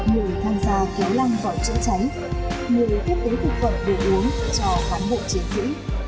người tham gia kéo lăng gọi chữa cháy người tiếp tế thực phẩm đồ uống cho hãng hộ chiến sĩ